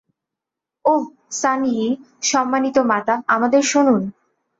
ওহ, সান ইয়ি, সম্মানিত মাতা, আমাদের শুনুন।